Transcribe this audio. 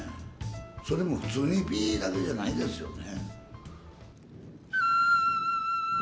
それも普通にピーだけじゃないですよね。